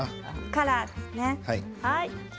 カラーですね。